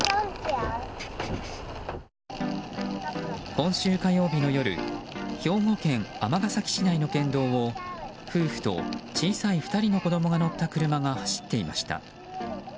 今週火曜日の夜兵庫県尼崎市内の県道を夫婦と小さい２人の子供が乗った車が走っていました。